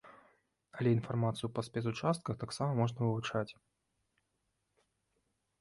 Але інфармацыю па спецучастках таксама можна вывучаць.